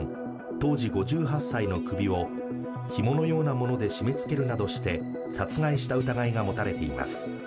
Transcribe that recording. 当時５８歳の首をひものようなもので締めつけるなどして殺害した疑いが持たれています。